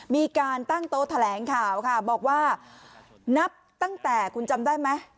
มีการตั้งโต๊ะแถลงข่าวค่ะบอกว่านับตั้งแต่คุณจำได้ไหม